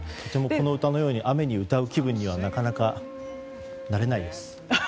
この歌のように雨に歌う気分にはなかなかなれないです。